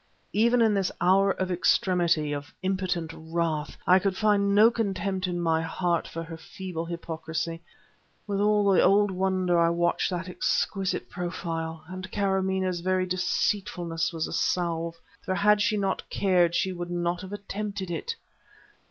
Even in this hour of extremity, of impotent wrath, I could find no contempt in my heart for her feeble hypocrisy; with all the old wonder I watched that exquisite profile, and Karamaneh's very deceitfulness was a salve for had she not cared she would not have attempted it!